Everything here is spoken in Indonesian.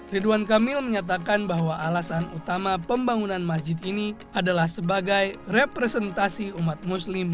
ridwan kamil menyatakan bahwa alasan utama pembangunan masjid ini adalah sebagai representasi umat muslim